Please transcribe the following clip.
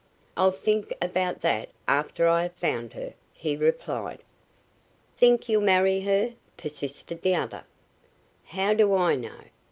"I'll think about that after I have found her," he replied. "Think you'll marry her?" persisted the other. "How do I know?"